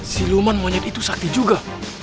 si luman monyet itu sakti juga